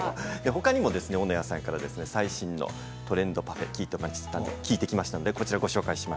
ほかにも斧屋さんから最新のトレンドパフェ聞いてきました。